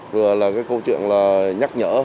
rồi là cái câu chuyện là nhắc nhở